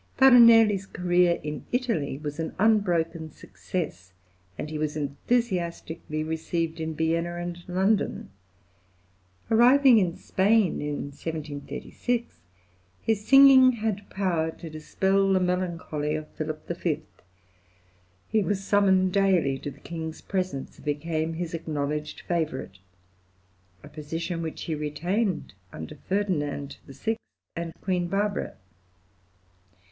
Farinelli's career in Italy was an unbroken success, and he was enthusiastically received in Vienna and London. Arriving in Spain in 1736, his singing had power to dispel the {FARINELLI FLORENCE, 1770.} (115) melancholy of Philip V.; he was summoned daily to the king's presence, and became his acknowledged favourite, a position which he retained under Ferdinand VI. and Queen Barbara.